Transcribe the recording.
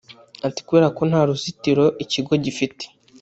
Ati “Kubera ko nta ruzitiro ikigo gifite